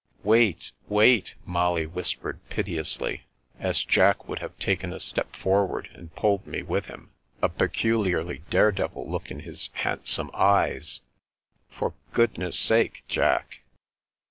"Wait — ^wait," Molly whispered piteously, as The Strange Mushroom 325 Jack would have taken a step forward, and pulled me with him, a peculiarly dare devil look in his hand some eyes. " For goodness sake, Jack